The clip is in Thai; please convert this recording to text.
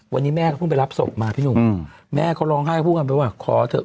วันนี้แม่ก็เพิ่งไปรับศพมาพี่หนุ่มแม่เขาร้องไห้พูดกันไปว่าขอเถอะ